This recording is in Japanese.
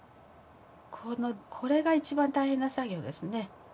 このこれが一番大変な作業ですね。